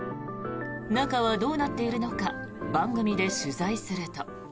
中はどうなっているのか番組で取材すると。